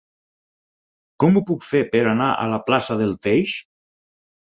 Com ho puc fer per anar a la plaça del Teix?